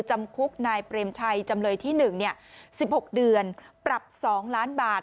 จำคุกนายเปรมชัยจำเลยที่๑๑๖เดือนปรับ๒ล้านบาท